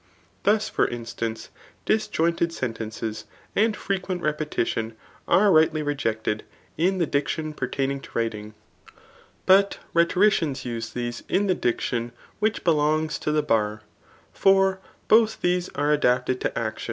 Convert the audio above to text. Thus, for in stance, disjointed sentences, and frequent repetidon, are rightly rejected in the dicdon pertaining to writing ; but 252 THE ART OP BOOK 111. rhetoriciaos use these in the diction which beiongs to the bar ; for both these are adapted to acti<H>.